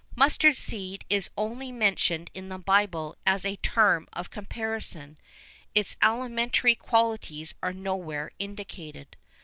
Mustard seed is only mentioned in the Bible as a term of comparison; its alimentary qualities are nowhere indicated.